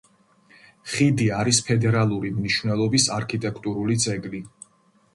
ხიდი არის ფედერალური მნიშვნელობის არქიტექტურული ძეგლი.